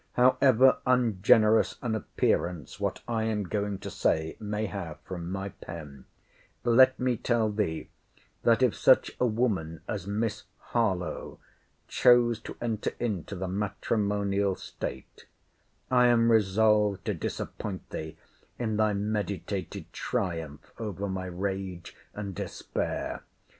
However ungenerous an appearance what I am going to say may have from my pen, let me tell thee, that if such a woman as Miss Harlowe chose to enter into the matrimonial state, [I am resolved to disappoint thee in thy meditated triumph over my rage and despair!